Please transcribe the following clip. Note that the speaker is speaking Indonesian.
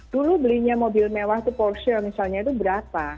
dulu belinya mobil mewah itu porsial misalnya itu berapa